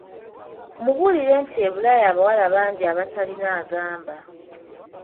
Mubuulire nti e Bulaya abawala bangi abatalina agamba.